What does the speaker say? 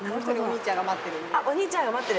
あっお兄ちゃんが待ってる。